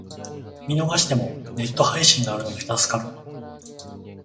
見逃してもネット配信があるので助かる